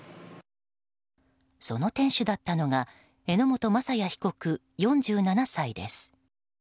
その店主だったのが榎本正哉被告、４７歳です。